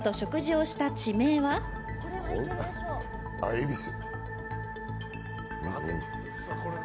恵比寿。